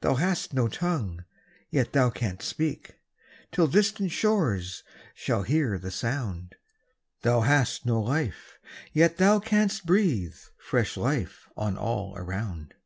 Thou hast no tongue, yet thou canst speak, Till distant shores shall hear the sound; Thou hast no life, yet thou canst breathe Fresh life on all around.